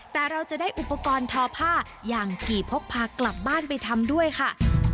แต่เราจะได้อุปกรณ์ทอผ้าอย่างขี่พกพากลับบ้านไปทำด้วยค่ะ